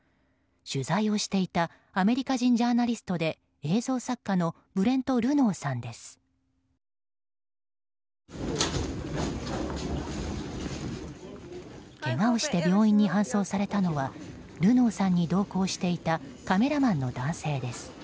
取材をしていたアメリカ人ジャーナリストで映像作家のブレント・ルノーさんです。